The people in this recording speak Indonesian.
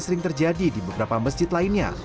sering terjadi di beberapa masjid lainnya